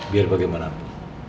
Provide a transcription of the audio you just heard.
biar bagaimana bu